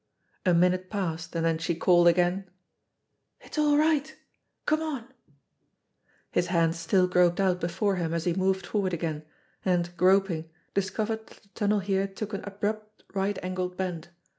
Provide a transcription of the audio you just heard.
A minute passed, and then she called again: "It's all right. Come on !" His hands still groped out before him as he moved for ward again, and, groping, discovered that the tunnel here took an abrupt right angled bend.